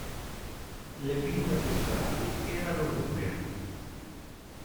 Le pinne pettorali erano lunghe.